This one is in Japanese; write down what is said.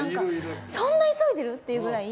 そんな急いでる？っていうくらい。